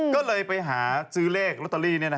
ก็เลยไปหาซื้อเลขโรตตาลี